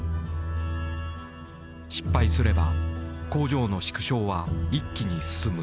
失敗すれば工場の縮小は一気に進む。